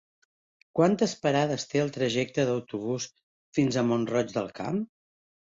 Quantes parades té el trajecte en autobús fins a Mont-roig del Camp?